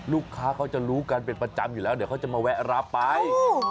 ลูกค้าเขาจะรู้กันเป็นประจำอยู่แล้วเดี๋ยวเขาจะมาแวะรับไป